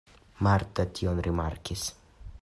Marta tion rimarkis.